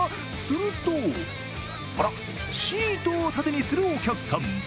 するとシートを盾にするお客さん。